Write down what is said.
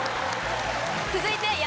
続いて。